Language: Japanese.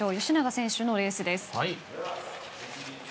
吉永選手のレースです。